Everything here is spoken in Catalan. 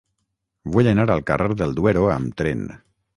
Vull anar al carrer del Duero amb tren.